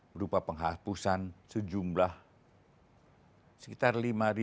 berupa penghapusan sejumlah sekitar lima tiga ratus empat puluh lima